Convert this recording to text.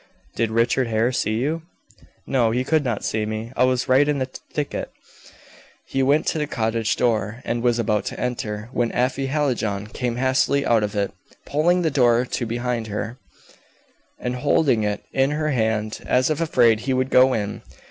"Did Richard Hare see you?" "No; he could not see me; I was right in the thicket. He went to the cottage door, and was about to enter, when Afy Hallijohn came hastily out of it, pulling the door to behind her, and holding it in her hand, as if afraid he would go in.